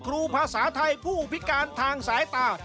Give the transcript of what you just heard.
ครูภาษาไทยผู้พิการทางสายตา